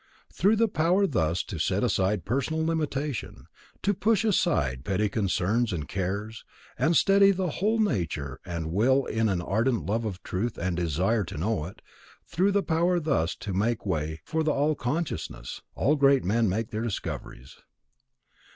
Through the power thus to set aside personal limitation, to push aside petty concerns and cares, and steady the whole nature and will in an ardent love of truth and desire to know it; through the power thus to make way for the All consciousness, all great men make their discoveries.